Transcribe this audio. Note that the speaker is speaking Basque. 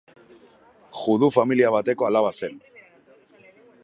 Judu familia bateko alaba zen.